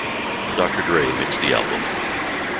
Doctor Dre mixed the album.